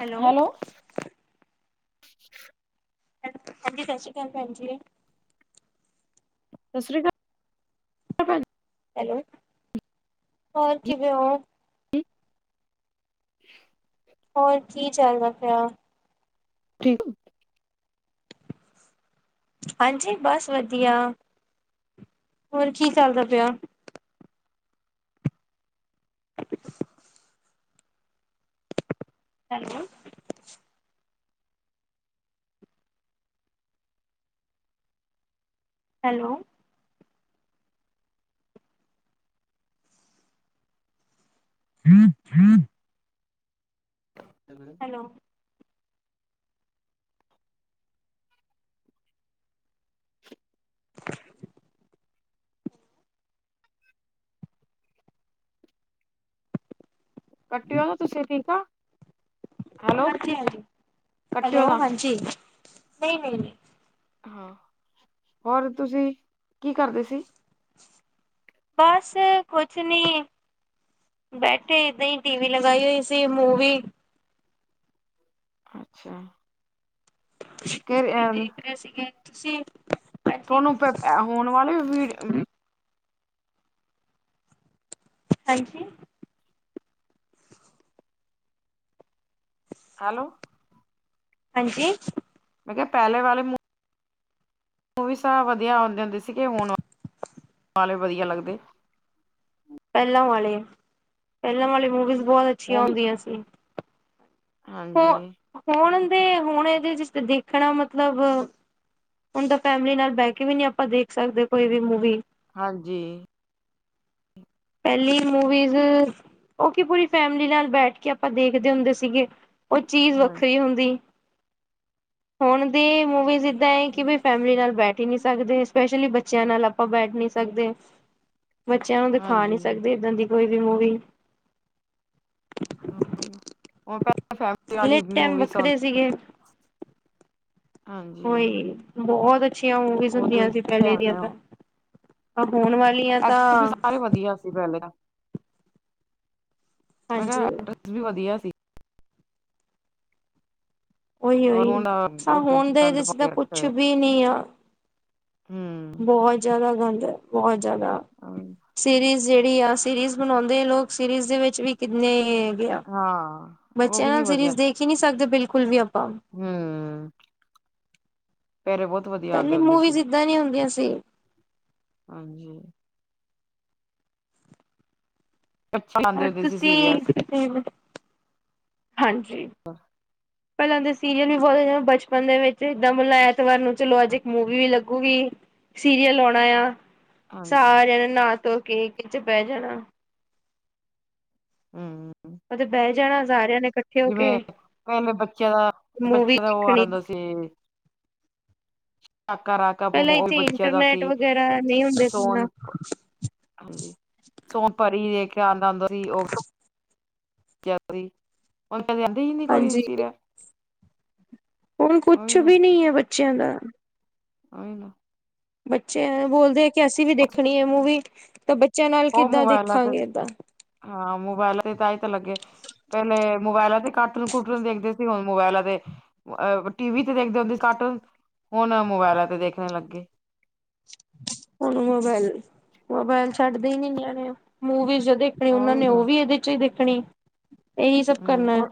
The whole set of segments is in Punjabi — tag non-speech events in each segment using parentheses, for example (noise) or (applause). ਹੈਲੋ। ਹਾਂਜੀ ਸਤਿ ਸ਼੍ਰੀ ਅਕਾਲ ਭੈਣ ਜੀ। ਸਤ ਸ਼੍ਰੀਕ ਹੈਲੋ ਹੋਰ ਜੀ ਕਿਵੇਂ ਹੋ? (unintelligible) ਹੋਰ ਕੀ ਚੱਲਦਾ ਪਿਆ। ਠੀਕ ਓ। ਹਾਂਜੀ ਬਸ ਵਧੀਆ ਹੋਰ ਕੀ ਚਾਲਦਾ ਪਿਆ। ਹੈਲੋ। ਹੈਲੋ (inaudible) ਹੈਲੋ ਕੱਟਿਓ ਨਾ ਤੁਸੀਂ ਠੀਕ ਆ ਹੈਲੋ ਕੱਟਿਓ ਨਾ ਜੀ ਨਹੀਂ -ਨਹੀਂ -ਨਹੀਂ ਹੋਰ ਤੁਸੀਂ ਕੀ ਕਰਦੇ ਸੀ? ਬਸ ਕੁਛ ਨੀ ਬੈਠੇ ਏਦਾਂ ਹੀ ਟੀਵੀ ਲਗਾਈ ਹੋਈ ਸੀ ਮੂਵੀ ਅੱਛਾ (inaudible) ਕਿਥੇ ਸੀਗੇ ਤੁਸੀਂ ਹਾਂਜੀ ਤੁਹਾਨੂੰ ਪਤਾ ਹੋਣ ਵਾਲੇ ਵੀ ਹਾਂਜੀ ਹੈਲੋ ਹਾਂਜੀ। ਮੈਂ ਕਿਹਾ ਪਹਿਲੇ ਵਾਲੇ ਓਹੀ ਸਾਰੇ ਵਧੀਆ ਆਉਂਦੇ ਹੁੰਦੇ ਸੀਗੇ, ਹੁਣ ਵਾਲੇ ਵਧੀਆ ਲੱਗਦੇ। ਪਹਿਲਾਂ ਵਾਲੇ ਪਹਿਲਾਂ ਵਾਲੀ ਮੂਵੀਜ਼ ਬਹੁਤ ਅੱਛੀਆਂ ਮੂਵੀ ਹੁੰਦੀਆਂ ਸੀ। ਹਾਂਜੀ ਹੁਣਦੇ ਹੁਣ ਇਹਦੇ ਚ ਦੇਖਣਾ ਮਤਲਬ ਹੁਣ ਤਾਂ ਫੈਮਿਲੀ ਨਾਲ ਬਹਿ ਕੇ ਵੀ ਨੀ ਆਪਾਂ ਦੇਖ ਸਕਦੇ ਕੋਈ ਵੀ ਮੂਵੀ ਹਾਂਜੀ। ਪਹਿਲੀ ਮੂਵੀਜ਼ ਉਹ ਕੀ ਪੂਰੀ ਫੈਮਿਲੀ ਨਾਲ ਬੈਠ ਕੇ ਆਪਾਂ ਦੇਖਦੇ ਹੁੰਦੇ ਸੀਗੇ। ਉਹ ਚੀਜ਼ ਹਾਂ ਵੱਖਰੀ ਹੁੰਦੀ ਹੁਣ ਦੀ ਮੂਵੀਸ ਜਿੱਦਾਂ ਹੈ ਕਿ ਵੀ ਫੈਮਿਲੀ ਨਾਲ ਬੈਠ ਹੀ ਨਹੀ ਸਕਦੇ, ਸਪੈਸ਼ਲੀ ਬੱਚਿਆਂ ਨਾਲ ਆਪਾਂ ਬੈਠ ਨੀ ਸਕਦੇ। (inaudible) ਬੱਚਿਆਂ ਨੂੰ ਦਿਖਾ ਹਾਂਜੀ ਨਹੀ ਸਕਦੇ ਏਦਾਂ ਦੀ ਕੋਈ ਵੀ ਮੂਵੀ। ਉਹ ਤਾ ਪਹਿਲੇ ਟਾਈਮ ਵੱਖਰੇ ਸੀਗੇ, ਕੋਈ ਹਾਂਜੀ ਬਹੁਤ ਅੱਛੀਆਂ ਮੂਵੀਜ਼ ਉਹ ਦਿਨ ਹੁੰਦੀਆਂ ਸੀ ਕਿੱਥੇ ਆ ਪਹਿਲੇ ਦੀਆਂ ਗਏ ਤਾਂ, ਹੁਣ। ਪਰ ਹੋਣ ਵਾਲੀਆਂ ਤਾਂ ਐਕਟਰਸ ਵੀ ਸਾਰੇ ਹਾਂਜੀ (inaudible) ਉਈ, ਉਈ ਹੁਣ ਸਾ ਬਹੁਤ ਹੋਣਦੇ ਗੰਦ ਇਹਦੇ ਪਾ ਚ ਤਾਂ ਕੇ ਰੱਖੇ ਕੁਛ ਹੋਏ ਵੀ ਨੀ ਆ। ਹੂੰ ਬਹੁਤ ਜਿਆਦਾ ਗੰਦ ਹੈ, ਬਹੁਤ ਜਿਆਦਾ। ਹਾਂ, ਸੀਰੀਜ਼ ਜਿਹੜੀ ਆ ਸੀਰੀਜ਼ ਬਣਾਉਂਦੇ ਆ ਲੋਕ ਸੀਰੀਜ਼ ਦੇ ਵਿੱਚ ਵੀ ਕਿੰਨੇ ਹਾਂ ਉਹ ਵੀ ਬੱਚਿਆਂ ਨੀ ਨਾਲ ਸੀਰੀਜ਼ ਦੇਖ ਹੀ ਨਹੀਂ ਸਕਦੇ ਬਿਲਕੁਲ ਵੀ ਆਪਾਂ। ਹਮ ਫੇਰ ਬਹੁਤ ਵਧੀਆ ਆਉਂਦੇ ਪਹਿਲੀ ਹੁੰਦੇ ਸੀ ਮੂਵੀਜ਼ ਇਦਾਂ ਨੀ ਹੁੰਦੀਆਂ ਸੀ। ਹਾਂਜੀ। ਅੱਛੇ ਆਉਂਦੇ ੳਰ ਹੁੰਦੇ ਸੀ ਤੁਸੀਂ ਸੀਰੀਅਸ ਦੇਖਲੋ ਹਾਂਜੀ। ਪਹਿਲਾਂ ਤਾਂ ਸੀਰੀਅਲ ਵੀ ਬਹੁਤ ਬਚਪਨ ਦੇ ਵਿੱਚ ਏਦਾਂ ਮਤਲਬ ਐਤਵਾਰ ਨੂੰ ਚਲੋ ਅੱਜ ਇਕ ਮੂਵੀ ਵੀ ਲੱਗੂਗੀ। ਸੀਰੀਅਲ ਆਉਣਾ ਆ ਹਾਂਜੀ ਸਾਰਿਆਂ ਨੇ ਨਹਾ ਧੋ ਕੇ ਇਕ ਜਗ੍ਹਾ ਬਹਿ ਜਾਣਾ। ਹਮ। ਉਹ ਬਹਿ ਜਾਣਾ ਸਾਰਿਆ ਨੇ ਹੋ ਕੇ ਜਿਵੇਂ ਬੱਚਿਆਂ ਦਾ ਮੂਵੀ ਬੱਚਿਆਂ ਦਾ ਉਹ ਆ ਦੇਖਣੀ ਜਾਂਦਾ ਸੀ ਪਹਿਲਾਂ (inaudible) ਵੀ ਇੱਥੇ ਬੱਚਿਆਂ ਦਾ ਇੰਟਰਨੈਟ ਸੀ ਵਗੈਰਾ ਨਹੀਂ ਹੁੰਦੇ ਸੀ ਨਾ ਸੋਨ ਹਾਂਜੀ ਸੋ ਪਰੀ ਦੇ ਕੇ ਆਉਂਦਾ ਹੁੰਦਾ ਸੀ ਉਹ ਹਾਂਜੀ। (inaudible) ਹੁਣ ਉਹੀ ਕੁਛ ਵੀ ਨਹੀਂ ਹੈ ਬੱਚਿਆਂ ਦਾ ਆਏ ਨਾ ਬੱਚੇ ਬੋਲਦੇ ਹੈ ਕਿ ਅਸੀਂ ਵੀ ਦੇਖਣੀ ਹੈ ਮੂਵੀ ਤਾਂ ਬ ਉਹ ਮੋਬਾਇਲ ਤੇ ਹਾਂ ਮਬਾਇਲ ਤੇ ਤਾਂ ਹੀ ਤਾਂ ਲੱਗੇ ਪਹਿਲੇ ਮੋਬਾਇਲਾਂ ਤੇ ਕਾਰਟੂਨ ਕੁਟੂਨ ਦੇਖਦੇ ਸੀ ਹੁਣ ਮੋਬਾਇਲਾਂ ਤੇ ਅ ਟੀ ਵੀ ਤੇ ਵੇਖਦੇ ਹੁੰਦੇ ਸੀ ਕਾਰਟੂਨ ਹੁਣ ਮੋਬਾਇਲਾਂ ਤੇ ਵੇਖਣੇ ਲੱਗ ਗਏ। ਹੁਣ ਮੋਬਾਇਲ, ਮੋਬਾਇਲ ਛੱਡਦੇ ਹੀ ਨੀ ਨੀਯਾਣੇ ਮੂਵੀਜ਼ ਦੇ ਫਿਰ ਉਹੀ ਉਹਨਾਂ ਨੇ ਉਹ ਨਾ ਵੀ ਇਹਦੇ ਵਿਚੋ ਹੀ ਦੇਖਣੀ। ਇਹੀ ਸਭ ਕਰਨਾ ਹੈ ਹੂੰ,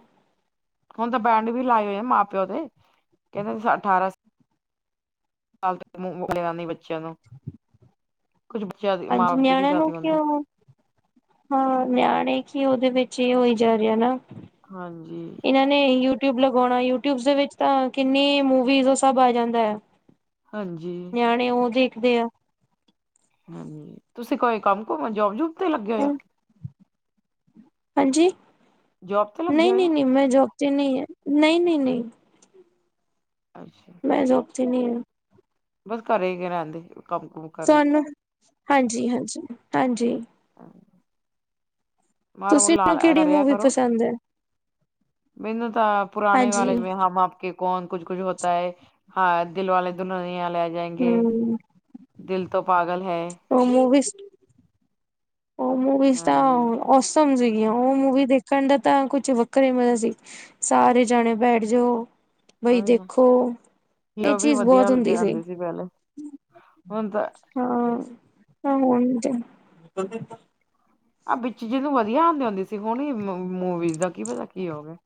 ਹੁਣ ਤਾਂ ਬੈਂਡ ਵੀ ਲਾਏ ਆ ਮਾਂ- ਪਿਓ ਦੇ ਕਹਿੰਦੇ ਅਠਾਰਾਂ ਪਹਲੇ ਮ ਬੋਲੇਯਾ ਨੀ ਬੱਚਿਆਂ ਨੂੰ ਕੁਛ ਬੱਚਿਆਂ ਦੀ ਮਾਂ ਹਾਂਜੀ ਬਾਪ ਦੀ ਵੀ ਨਿਆਣਿਆਂ ਨੂੰ ਗਲਤੀ ਹੁੰਦੀ। ਕਿਉਂ ਹਾਂ ਨਿਆਣੇ ਕੀ ਉਹਦੇ ਵਿੱਚ ਹੀ ਹੋਈ ਜਾ ਰਿਹਾ ਨਾ ਹਾਂਜੀ। ਇਹਨਾਂ ਨੇ ਯੂਟਿਊਬ ਲਗਾਉਣਾ ਯੂਟਿਊਬ ਦੇ ਵਿੱਚ ਤਾਂ ਕਿੰਨੀ ਮੂਵੀਜ਼ ਸਬ ਆ ਜਾਂਦਾ ਹੈ। ਹਾਂਜੀ। ਨਿਆਣੇ ਉਹ ਦੇਖਦੇ ਆ। ਹਾਂਜੀ ਤੁਸੀਂ ਕੋਈ ਕੰਮ ਕੁਮ ਜੋਬ ਜੂਬ ਤੇ ਲੱਗੇ ਹੋਏ ਹੋ। ਹਾਂਜੀ ਜੋਬ ਤੇ ਲੱਗੇ ਨਹੀਂ ਹੋਏ ਨਹੀਂ ਹੋ ਨੀ ਮੈਂ ਜੋ ਨਹੀਂ ਹੈ ਨਹੀਂ ਨਹੀਂ ਨਹੀਂ। ਅੱਛਾ। ਮੇ ਜੋਬ ਚ ਨਹੀ ਹਾ। ਬਸ ਘਰੇ ਹੀ ਕਰਾਉਂਦੇ ਕੰਮ ਕੁਮ ਕਰਨ ਸਾਨੂੰ ਹਾਂਜੀ ਹਾਂਜੀ ਹਾਂਜੀ। ਬਾਹਰੋ ਤੁਸੀਂ ਨੂੰ ਲਾਲ ਕਿਹੜੀ ਕਰਿਆ ਮੂਵੀ ਕਰੋ। ਪਸੰਦ ਹੈ ਮੈਨੂੰ ਤਾਂ ਪੁਰਾਣੇ ਵਾਲੇ ਹਾਂਜੀ ਮੈਂ ਹਮ ਆਪ ਕੇ ਕੌਣ ਕੁਛ ਕੁਛ ਹੋਤਾ ਹੈ ਹਾਂ ਦਿਲ ਵਾਲੇ ਦੁਲਹਨੀਆ ਲੇ ਜਾਏਗੇ ਹਮ ਦਿਲ ਤੋਂ ਪਾਗਲ ਹੈ। ਉਹ ਮੂਵੀ ਸ ਉਹ ਮੂਵੀਜ਼ ਤਾਂ ਹਾਂਜੀ। ਔਸਮ ਸੀਗੀਆਂ ਉਹ ਮੂਵੀ ਦੇਖਣ ਦਾ ਤਾਂ ਕੁਛ ਵੱਖਰੇ ਮਜਾ ਸੀ। ਸਾਰੇ ਜਾਣੇ ਬੈਠ ਜਾਓ ਬਈ ਉਹੀ ਨਾ। ਦੇਖੋ ਇਹ ਹੀਰੋ ਵੀ ਚੀਜ਼ ਵਧੀਆ ਬਹੁਤ ਲਗਦੇ ਹੁੰਦੀ ਸੀ। ਆਂਦੇ ਪਹਿਲੇ ਹੁਣ ਤਾ ਹਾਂ ਹ ਹੁਣ ਦਾ ਆਹ ਵਿੱਚ ਜੀ ਨੁੰ ਵਧੀਆ ਆਂਦੀ ਹੋਂਦੀ ਸੀ, ਹਣੀ ਮੂਵੀਜ਼ ਦਾ ਕੀ ਪਤਾ, ਕੀ ਹੋ ਗਿਆ।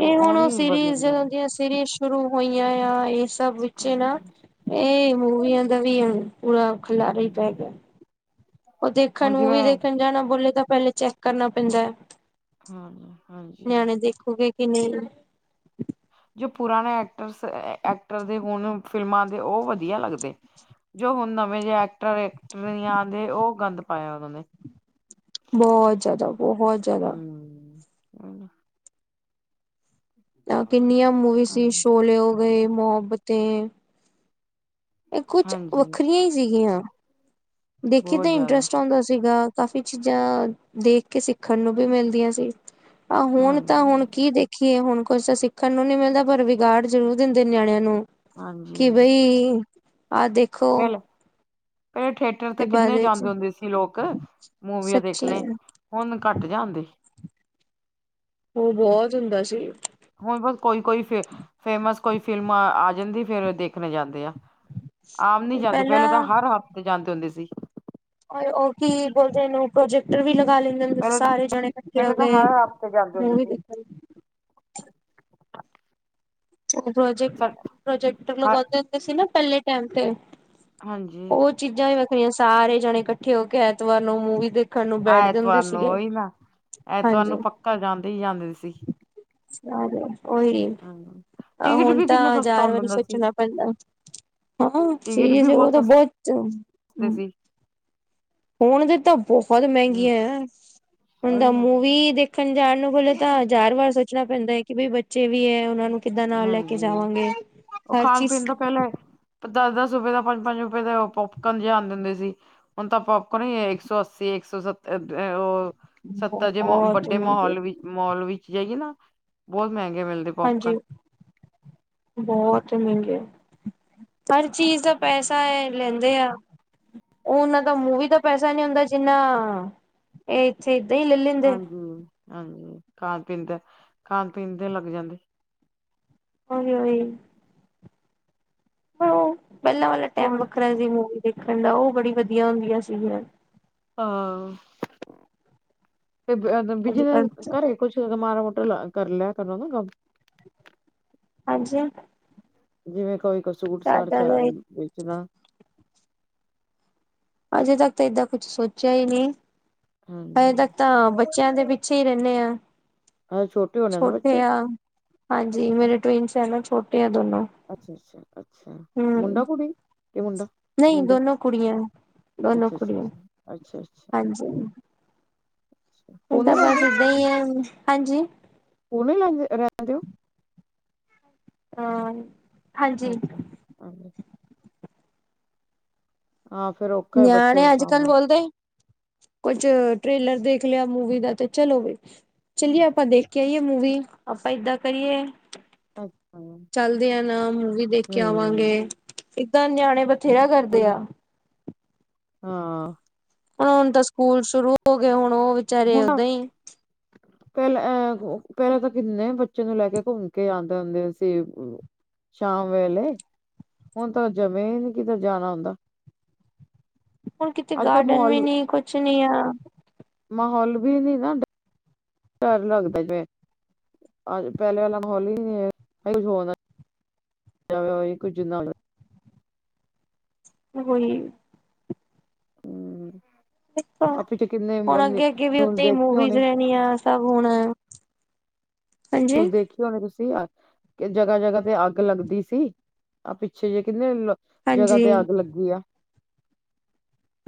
ਇਹ ਹੁਣ, ਹੀ ਵਧੀਆ ਸੀਰੀਜ਼ ਵਧੀਆ ਨੇ ਆਉਂਦੀਆਂ ਸੀਰੀਜ਼ ਸ਼ੁਰੂ ਹੋਈਆਂ ਯਾਂ, ਇਹ ਸਭ ਵਿੱਚੇ ਨਾ, ਹੂੰ ਇਹ ਮੂਵੀਆਂ ਦਾ ਵੀ ਪੂਰਾ ਖੱਲਾਰਾ ਹੀ ਪੈ ਗਿਆ। ਉਹ ਦੇਖਣ ਹੁਣ ਨੂੰ, ਮੂਵੀ ਜਿਵੇਂ ਦੇਖਣ ਜਾਣਾ ਬੋਲੇ ਤਾਂ, ਪਹਿਲੇ ਚੈੱਕ ਕਰਨਾ ਪੈਂਦਾ ਯਾ। ਹਾਂ ਹਾਂਜੀ। ਨਿਆਣੇ ਦੇਖੁਗੇ ਕਿ, ਨਹੀਂ। ਜੋ ਪੁਰਾਣੇ ਐਕਟਰ ਐਕਟਰ ਦੇ ਹੁਣ ਫਿਲਮਾਂ ਦੇ ਉਹ ਵਧੀਆ ਲੱਗਦੇ। ਜੋ ਹੁਣ ਨਵੇਂ ਜਿਹੇ ਐਕਟਰ ਐਕਟਰਨਿਆ ਦੇ ਉਹ ਗੰਦ ਪਾਇਆ ਉਹਨਾਂ ਨੇ। ਬਹੁਤ ਜ਼ਿਆਦਾ ਬਹੁਤ ਜ਼ਿਆਦਾ, ਹਮ ਤਾਂ ਕਿੰਨੀਆਂ ਮੂਵੀ ਸੀ ਹਾਂਜੀ, ਸ਼ੋਲੇ ਹੋ ਗਏ ਮੁਹੱਬਤੇ ਇਹ ਕੁਛ ਹਾਂਜੀ ਵੱਖਰੀਆਂ ਹੀ ਸੀਗੀਆਂ। ਦੇਖੀ ਬਹੁਤ ਤਾਂ ਜ਼ਿਆਦਾ ਇੰਟਰਸਟ ਆਉਂਦਾ ਸੀਗਾ, ਕਾਫ਼ੀ ਚੀਜ਼ਾਂ ਦੇਖ ਕੇ ਸਿੱਖਣ ਨੂੰ ਵੀ ਮਿਲਦੀਆਂ ਸੀ। ਆਹ ਹੁਣ ਤਾਂ ਹਾਂਜੀ, ਹੁਣ ਕੀ ਦੇਖ। ਕੀ ਇਹ ਹੁਣ ਕੁਝ ਸਿੱਖਣ ਨੂੰ ਨੀ ਮਿਲਦਾ, ਪਰ ਵਿਗਾੜ ਜ਼ਰੂਰ ਦਿੰਦੇ ਨਿਆਣਿਆਂ ਨੂੰ ਕਿ ਬਈ ਆ ਦੇਖ, ਚਲੋ ਇਹ ਥੇਠ ਤੇ ਬਾਅਦ ਕਿੰਨੇ ਵਿੱਚ ਜਾਂਦੇ ਹੁੰਦੇ ਸੀ ਲੋਕ ਮੂਵੀਆਂ ਸੱਚੀ ਦੇਖਣੇ ਹੁਣ ਘੱਟ ਜਾਂਦੇ। ਉਹ, ਬਹੁਤ ਹੁੰਦਾ ਸੀ। ਹੁਣ ਬਸ ਕੋਈ-ਕੋਈ ਫੇ, ਫੇਮਸ ਕੋਈ ਫਿਲਮ ਆ ਜਾਂਦੀ, ਫਿਰ ਦੇਖਣੇ ਜਾਂਦੇ ਆ। ਆਮ ਨੀ ਜਾਂਦੇ, ਪਹਿਲੇ ਤਾਂ ਪਹਿਲਾਂ ਹਰ ਹਫ਼ਤੇ ਜਾਂਦੇ ਹੁੰਦੇ ਸੀ। ਉਹ ਕੀ ਬੋਲਦੇ, ਇਹਨੂੰ ਪ੍ਰੋਜੈਕਟਰ ਵੀ ਲਗਾ ਲੈਂਦੇ। ਤੁਸੀਂ ਪਹਿਲੇ ਤਾਂ ਸਾਰੇ ਜਣੇ ਇਕੱਠੇ ਹੋ ਪਹਿਲੇ ਤਾਂ ਗਏ, ਹਰ ਹਫ਼ਤੇ ਜਾਂਦੇ ਹੁੰਦੇ ਮੂਵੀ ਸੀ ਦੇਖਣ ਲਈ। ਪ੍ਰੋਜੈਕ, ਪ੍ਰੋਜੈਕਟਰ ਹ ਲਗਾਉਂਦੇ ਹੁੰਦੇ ਸੀ ਨਾ, ਪਹਿਲੇ ਟਾਈਮ ਤੇ। ਹਾਂਜੀ। ਉਹ ਚੀਜ਼ਾਂ ਵੀ ਵੱਖਰੀਆਂ, ਸਾਰੇ ਜਾਣੇ ਇਕੱਠੇ ਹੋਕੇ ਐਤਵਾਰ ਨੂੰ, ਮੂਵੀ ਦੇ ਐਤਵਾਰ ਨੂੰ, ਓਹੀ ਨਾ, ਐਤਵਾਰ ਹਾਂਜੀ ਨੂੰ ਪੱਕਾ ਜਾਂਦੇ ਹੀ ਜਾਂਦੇ ਸੀ। ਹ ਉਹੀ। ਹਾ (unintelligible) ਆ ਹੁਣ ਤਾਂ, ਹਜ਼ਾਰ ਵਾਰੀ ਸੋਚਣਾ ਪੈਂਦਾ। ਹਾਂ, ਟਿਕਟ ਵੀ ਚੀਜ਼ ਉਹ ਤਾਂ ਬਹੁਤ ਸਸਤੇ ਸੀ। ਹੁਣ ਦੀ, ਤਾਂ ਬਹੁਤ ਹੂੰ, ਮਹਿੰਗੀਆਂ ਆ, ਹੁਣ ਦਾ ਉਹੀ ਨਾ। ਮੂਵੀ ਦੇਖ ਖਣ ਜਾਣ ਨੂੰ ਬੋਲੇ ਤਾਂ ਹਜ਼ਾਰ ਵਾਰ ਸੋਚਣਾ ਪੈਂਦਾ ਹੈ ਕਿ, ਬਈ ਬੱਚੇ ਵੀ ਹੈ, ਉਹਨਾਂ ਨੂੰ ਕਿੱਦਾਂ ਨਾਲ ਲੈਕੇ ਹਾਂਜੀ, ਜਾਵਾਂਗੇ, ਹਰ ਚੀਜ਼ ਪਹਿਲੇ ਦੱਸ-ਦੱਸ ਰੁਪਏ ਦਾ, ਪੰਜ-ਪੰਜ ਰੁਪਏ ਦਾ, ਪੋਪਕੋਨ ਜੇ ਆਂਦੇ ਹੁੰਦੇ ਸੀ। ਹੁਣ ਤਾਂ ਪੌਪਕੋਨ ਹੀ, ਇੱਕ-ਸੌ ਅੱਸੀ, ਇੱਕਸੌ-ਸੱਤਰ ਉਹ ਸੱਤਾ ਜੇ ਬਹੁਤ ਵੱਡੇ ਮਹਿੰਗੀ ਮਾਹੋਲ ਵਿੱਚ, ਮੌਲ ਵਿੱਚ ਜਾਈਏ ਨਾ, ਬਹੁਤ ਮਹਿੰਗੇ ਮਿਲਦੇ ਹਾਂਜੀ, ਪੋਪਕਨ। ਬਹੁਤ ਮਹਿੰਗੇ। ਹਰ ਚੀਜ਼ ਦਾ ਪੈਸਾ ਹੈ, ਲੈਂਦੇ ਆ। ਉਹ ਉਹਨਾਂ ਦਾ ਮੂੰਵੀ ਦਾ ਪੈਸਾ ਨੀ ਹੁੰਦਾ, ਜਿੰਨਾ ਇਹ, ਇੱਥੇ ਏਦਾਂ ਹੀ ਲੇ ਲੈਂਦੇ। ਹਾਂਜੀ, ਖਾਣ-ਪੀਣ ਦਾ, ਖਾਣ-ਪੀਣ ਦੇ ਲੱਗ ਜਾਂਦੇ। ਉਹੀ- ਉਹੀ, ਹੁਣ ਉਹ ਪਹਿਲਾਂ ਵਾਲਾ ਟੈਮ ਹੋਰ ਵੱਖਰਾ ਸੀ, ਮੂਵੀ ਦੇਖਣ ਦਾ ਉਹ, ਬੜੀ ਵਧੀਆ ਹੁੰਦੀਆਂ ਸੀਗੀਆ। ਹਾਂ, ਤੇ ਬੀਜ ਅੱਜ ਦੇ ਕੱਲ ਘਰੇ ਕੁੱਛ ਮ੍ਹਾਰਾ ਮੋਟਾ ਕਰ ਲਿਆ ਕਰੋ, ਨਾ ਕੰਮ। ਹਾਂਜੀ। ਜਿਵੇਂ ਕੋਈ-ਕੋਈ ਸੂਟ ਸਾੜ'ਚ ਸਾਡਾ ਤਾਂ ਵੇਚਣਾ ਅਜੇ ਤੱਕ ਤਾ ਏਦਾਂ ਕੁਛ ਸੋਚਿਆ ਹੀ ਨਹੀਂ, ਅਜੇ ਹਾਂਜੀ ਤੱਕ ਤਾਂ ਬੱਚਿਆਂ ਦੇ ਪਿੱਛੇ ਹੀ ਰਹਿੰਨੇ ਆ, ਹਜੇ ਹੋਣੇ ਨਾ ਛੋਟੇ ਬੱਚੇ ਆ। ਹਾਂਜੀ, ਮੇਰੇ ਟਵਿਨਸ ਹੈ ਛੋਟੇ ਆ ਦੋਨੋ, ਅੱਛਾ-ਅੱਛਾ, ਹੂੰ, ਮੁੰਡਾ ਨਹੀਂ ਮੁੰਡੇ ਦੋਨੋ ਕੁੜੀਆਂ, ਦੋਨੋ ਅੱਛਾ ਅੱਛਾ ਕੁੜੀਆਂ ਅੱਛਾ ਅੱਛਾ ਅੱਛਾ ਹਾਂਜੀ, ਅੱਛਾ ਇਹ ਤਾਂ ਪੂਨੇ ਬਸ ਰਹਿੰਦੇ ਏਦਾਂ ਹੀ ਹੈ ਹਾਂਜੀ, ਪੂਣੇ ਰਹਿੰਦੇ ਔ, ਹਾਂ। ਹਾਂਜੀ ਅੱਛਾ, ਹਾਂਜੀ। ਆ ਫਿਰ, ਓ ਨਿਆਣੇ ਅੱਜ-ਕੱਲ ਬੋਲਦੇ ਕੁੱਝ ਟ੍ਰੇਲਰ ਦੇਖ ਲਿਆ, ਮੂਵੀ ਦਾ ਤੇ, ਚਲੋ ਵੀ। ਚੱਲੀਏ ਆਪਾ ਦੇਖਕੇ ਆਈਏ ਮੂਵੀ, ਆਪਾਂ ਏਦਾਂ ਕਰੀਏ। ਅੱਛਾ ਚੱਲਦੇ ਆ ਨਾ, ਮੂਵੀ ਦੇਖਕੇ ਆਵਾਂਗੇ ਹੂੰ ਏਦਾਂ ਨਿਆਣੇ ਬੱਚ ਚਿਹਰਾ ਕਰਦੇ ਉਹੀ ਨਾ, ਆ। ਹਾਂ। ਹੁਣ-ਹੁਣ ਤਾ ਸਕੂਲ ਸ਼ੁਰੂ ਹੋ ਗਏ, ਹੁਣ ਉਹ ਵਿਚਾਰੇ ਹੁਨ ਓਦਾਂ ਹੀ ਪਹਿਲਾਂ ਅਹ ਪਹਿਲਾਂ ਤੇ, ਕਿੰਨੇ ਬੱਚੇ ਨੂੰ ਲੈਕੇ ਘੁੰਮਕੇ ਆਂਦੇ ਹੁੰਦੇ ਸੀ। ਸ਼ਾਮ ਵੇਲੇ ਹੁਣ ਤਾਂ ਜਮੇ ਨ ਕਿਤੇ ਜਾਣਾ ਹੁੰਦਾ ਹੁਣ ਕਿਤੇ ਅੱਜ ਕੱਲ੍ਹ ਗਾਰਡਨ ਵੀ ਮਾਹੌਲ ਨੀ, ਕੁਛ ਨੀ ਆ ਮਾਹੌਲ ਵੀ ਨੀ ਨਾ ਡਰ ਲੱਗਦਾ ਜਿਵੇਂ, ਅ ਪਹਿਲੇ ਵਾਲਾ ਮਾਹੌਲੀ ਨ ਕੁਛ ਹੋ ਕੁੱਝ ਨਾਲ ਹੋਈ, ਹੂੰ, ਆ ਪਿੱਛੇ ਕਿੰਨੇ ਹੁਣ ਅੱਗੇ ਅੱਗੇ ਵੀ ਨਿਊਜ਼ ਉੱਥੇ ਹੀ ਦੇਖੀ ਮੂਵੀਜ਼ ਹੋਣੀ ਰਹਿਣੀਆਂ ਸਭ ਹੁਣ ਕੁ ਹਾਂਜੀ ਦੇਖ, ਤੁਸੀਂ ਜਗ੍ਹਾ ਜਗ੍ਹਾ ਤੇ ਅੱਗ ਲੱਗਦੀ ਸੀ, ਤਾਂ ਪਿੱਛੇ ਜੇ ਕਹਿੰਦੇ। ਜਗ੍ਹਾ ਹਾਂਜੀ ਤੇ ਅੱਗ ਲੱਗੀ ਆ।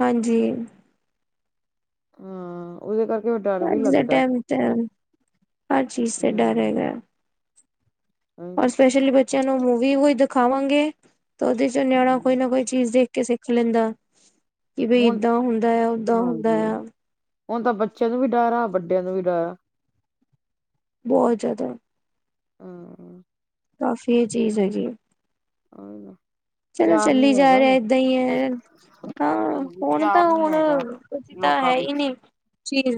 ਹਾਂਜੀ, ਹਾਂ ਉਹਦੇ ਕਰਕੇ ਡਰ ਵੀ ਅੱਜ ਦਾ ਲੱਗਦੇ, ਟਾਈਮ ਤੇ ਹਰ ਚੀਜ਼ ਤੇ ਡਰ ਹਮ ਰ ਸਪੈਸ਼ਲੀ ਬੱਚਿਆਂ ਨੂੰ ਮੂਵੀ ਦਿਖਾਵਾਂਗੇ, ਤੇ ਉਹਦੇ ਚ ਨਿਆਣਾ ਕੋਈ ਨਾ ਕੋਈ ਚੀਜ਼ ਦੇਖ ਕੇ ਸਿੱਖ ਲੈਂਦਾ, ਕਿ ਬਈ ਹੁਣ ਏਦਾਂ ਹੁੰਦਾ ਆ ਓਦਾਂ ਹੁੰਦਾ ਹਾਂਜੀ ਆ ਹੁਣ ਤਾਂ ਬੱਚਿਆਂ ਨੂੰ ਵੀ ਡਰ ਆ, ਵੱਡਿਆਂ ਨੂੰ ਵੀ ਡਰ ਆ ਬਹੁਤ ਜ਼ਿਆਦਾ ਹਾਂ ਕਾਫੀ ਇਹ ਚੀਜ਼ ਹੈਗੀ ਹੈ (unintelligible) (inaudible) ਚਲੋ ਪਿਆਰ ਨੀ ਚੱਲੀ ਜਾ ਹੈਗਾ ਰਿਹਾ ਏਦਾਂ ਹੀ ਹੈ, ਹਾਂ ਹਾਂਜੀ ਹੁਣ ਪਿਆਰ ਤਾਂ ਨੀ ਹੁਣ ਹੈਗਾ ਕੁ ਤਾਂ ਲੋਕਾਂ ਹੈ ਵਿੱਚ ਹੀ ਨਹੀਂ, ਚੀਜ਼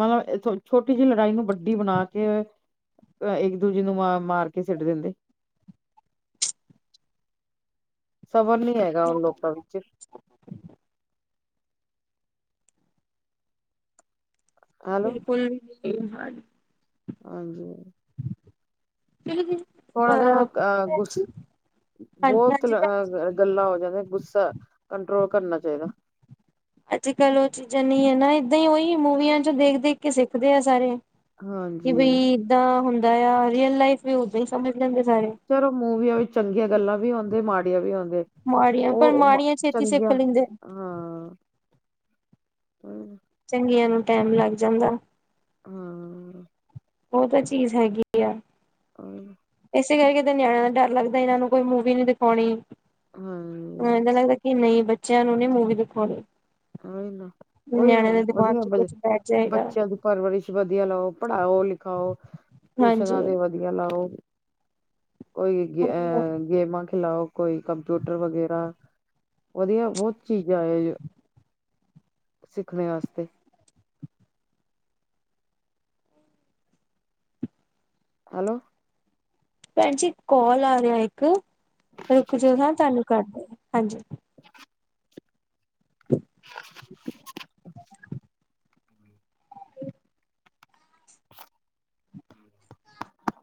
ਮਤਲਬ ਛੋਟੀ ਜਿਹੀ ਲੜਾਈ ਨੂੰ ਵੱਡੀ ਬਣਾ ਕੇ ਇੱਕ ਦੂਜੇ ਨੂੰ ਮ ਮਾਰ ਕੇ ਸਿੱਟ ਦਿੰਦੇ ਸਬਰ ਨੀ ਹੈਗਾ ਹੁਣ ਲੋਕਾਂ ਵਿੱਚ ਏਲੋ ਫੁੱਲ ਹ ਹਾਂਜੀ ਕਿਹੜੀ ਚੀਜ਼ ਹੁਣ ਦਾ ਅ ਗੁੱਸ ਹਾਂਜੀ ਭੈਣ ਬਹੁਤ ਜੀ ਅ ਗੱਲਾਂ ਹੋ ਜਾਂਦੇ, ਗੁੱਸਾ ਕੰਟਰੋਲ ਕਰਨਾ ਚਾਹੀਦਾ ਅੱਜ ਕੱਲ ਉਹ ਚੀਜ਼ਾਂ ਨਹੀਂ ਹੈ ਨਾ, ਏਦਾਂ ਹੀ ਉਹੀ ਮੂਵੀਆਂ ਚ ਦੇਖ ਦੇਖ ਕੇ ਸਿੱਖਦੇ ਆ ਸਾਰੇ ਕਿ ਹਾਂਜੀ ਬਈ ਏਦਾਂ ਹੁੰਦਾ ਆ ਰੀਅਲ ਲਾਈਫ ਵੀ ਓਦਾਂ ਹੀ ਸਮਝ ਲੈਂਦੇ ਸਾਰੇ ਚਲੋ ਮੂਵੀ ਆ ਚੰਗੀਆਂ ਗੱਲਾਂ ਵੀ ਆਉਂਦੀ, ਮਾੜੀਆਂ ਵੀ ਆਉਦੇ ਮਾੜੀਆਂ ਪਰ ਉਹ ਮਾੜੀਆਂ ਛੇਤੀ ਸਿੱਖ ਚੰਗੀਆਂ, ਲੈਂਦੇ ਹਾਂ ਹੂ ਚੰਗੀਆਂ ਨੂੰ ਟੈਮ ਲੱਗ ਜਾਂਦਾ ਹਾਂ ਉਹ ਤਾਂ ਚੀਜ਼ ਹੈਗੀ ਆ ਹਰ ਇਸੇ ਕਰਕੇ ਤੇ ਨਿਆਣਿਆਂ ਦਾ ਡਰ ਲੱਗਦਾ ਇਹਨਾਂ ਨੂੰ ਕੋਈ ਮੂਵੀ ਨੀ ਦਿਖਾਉਣੀ ਹਾਂ, ਲੱਗਦਾ ਕਿ ਨਹੀਂ ਬੱਚਿਆਂ ਨੂੰ ਨੀ ਮੂਵੀ ਦਿਖਾਉਣੀ ਉਹੀ ਨਾ ਉਹੀ ਨਿਆਣਿਆਂ ਦੇ ਦਿਮਾਗ ਵਧੀਆ ਚ ਕੁਛ ਬੈਠ ਜਾਏਗਾ ਬੱਚਿਆਂ ਦੀ ਪਰਵਰਿਸ਼ ਵਧੀਆ ਲੋ ਪੜ੍ਹਾਓ ਲਿਖਾਓ ਹਾਂਜੀ ਟਿਊਸ਼ਨਾਂ ਤੇ ਵਆ ਲਾਓ ਕੋਈ ਗੇਹ ਗੇਮਾਂ ਖਿਲਾਓ ਕੋਈ ਕੰਪਿਊਟਰ ਵਗੈਰਾ ਵਦੀਆ ਬਹੁਤ ਚੀਜ਼ਾਂ ਸਿੱਖਣੇ ਵਾਸਤੇ ਹੈਲੋ ਭੈਣ ਜੀ ਕਾਲ ਆ ਰਿਹਾ ਇੱਕ ਰੁਕ ਅੱਛਾ। ਜਾੋ ਹਾਂ ਤੁਹਾਨੂੰ ਕਰਦੇ ਹਾਂਜੀ (unintelligible) (inaudible) (inaudible)